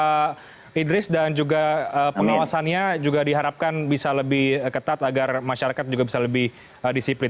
pak idris dan juga pengawasannya juga diharapkan bisa lebih ketat agar masyarakat juga bisa lebih disiplin